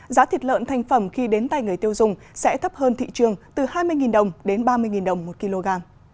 giá thịt lợn thành phẩm khi đến tay người tiêu dùng sẽ thấp hơn thị trường từ hai mươi đồng đến ba mươi đồng một kg